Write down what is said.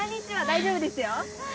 大丈夫ですよ。